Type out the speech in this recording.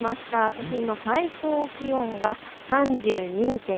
都心の最高気温が３２．８度。